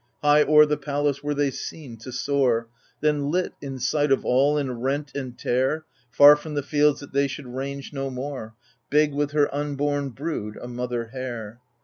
High o'er the palace were they seen to soar. Then lit in sight of all, and rent and tare, . Far from the fields that she should range no more, Big with her unborn brood, a mother hare.